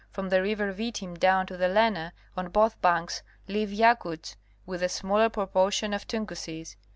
From the river Vitim down to the Lena, on both banks live Yakuts with a smaller proportion of Tunguses.